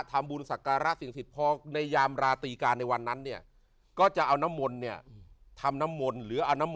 ทำวิธีการดังประตรีในวันนั้นก็จะทำวิธีการน้ำมนทร์